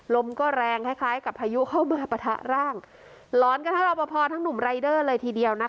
ลมก็แรงคล้ายคล้ายกับพายุเข้ามาปะทะร่างหลอนกระทั่งรอปภทั้งหนุ่มรายเดอร์เลยทีเดียวนะคะ